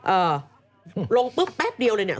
เอ่อลงปุ๊บแป๊บเดียวเลยเนี่ย